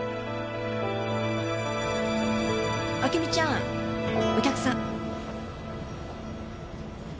あけみちゃんお客さん。